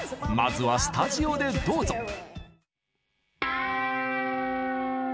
まずはスタジオでどうぞ。